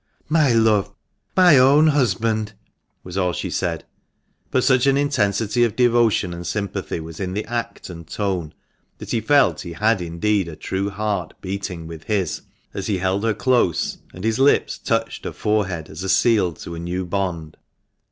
"My love! my own husband!" was all she said, but such an intensity of devotion and sympathy was in the act and tone that he felt he had indeed a true heart beating with his as he held her close, and his lips touched her forehead as a seal to a new bond.